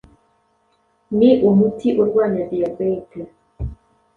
ni umuti urwanya diabetes